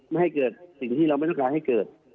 ไม่ให้เกิดสิ่งที่เราไม่ต้องการให้เกิด